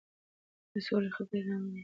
د سولې خبرې روانې وې.